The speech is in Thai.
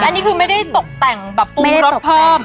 อันนี้คือไม่ได้ตกแต่งแบบปรุงรสเพิ่ม